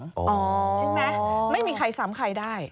ใช่ไหมไม่มีใครซ้ำใครได้